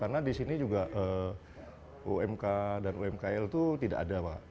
karena di sini juga umk dan umkl itu tidak ada pak